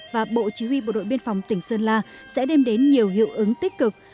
và bộ chí huy bộ đội biên phòng tỉnh sơn la sẽ đem đến nhiều hiệu ứng tích cực